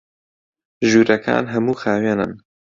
ژوورەکان هەموو خاوێنن.